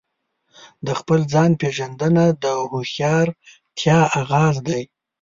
د خپل ځان پیژندنه د هوښیارتیا آغاز دی.